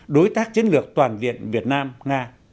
đối tác chiến lược toàn diện việt nam nga